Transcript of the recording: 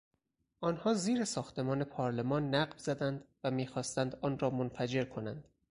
آنها زیر ساختمان پارلمان نقب زدند و میخواستند آن را منفجر کنند.